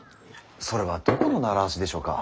それはどこの習わしでしょうか。